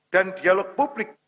dan dialog publik